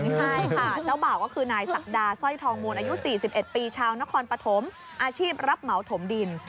ใช่ค่ะเจ้าบ่าวก็คือนายศักดาสร้อยทองมูลอายุ๔๑ปีชาวนครปฐมอาชีพรับเหมาถมดิน